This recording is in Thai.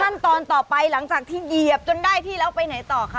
ขั้นตอนต่อไปหลังจากที่เหยียบจนได้ที่แล้วไปไหนต่อคะ